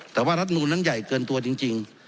แต่ว่ารัฐนูลนั้นใหญ่เกินตัวจริง